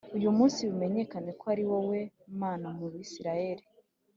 uyu munsi bimenyekane ko ari wowe Mana mu Bisirayeli